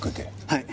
はい。